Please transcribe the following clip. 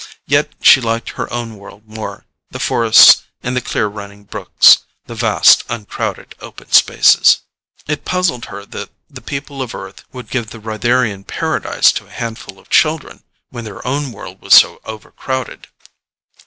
Yet she liked her own world more the forests and the clear running brooks; the vast, uncrowded, open spaces. It puzzled her that the people of Earth would give the Rytharian paradise to a handful of children, when their own world was so overcrowded.